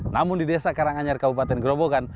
namun di desa karanganyar kabupaten gerobogan